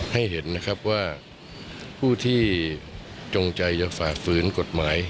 ให้เห็นนะครับว่าผู้ที่จงใจจะฝ่าฝืนกฎหมาย